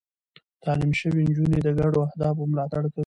تعليم شوې نجونې د ګډو اهدافو ملاتړ کوي.